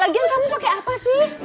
gian kamu pakai apa sih